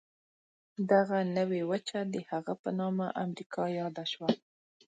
دغه نوې وچه د هغه په نامه امریکا یاده شوه.